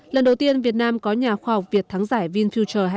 lần đầu tiên việt nam có nhà khoa học việt thắng giải vinfuture hai nghìn hai mươi ba